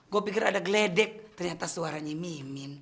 gue pikir ada geledek ternyata suaranya mimin